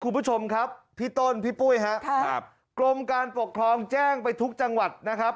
คุณผู้ชมครับพี่ต้นพี่ปุ้ยฮะครับกรมการปกครองแจ้งไปทุกจังหวัดนะครับ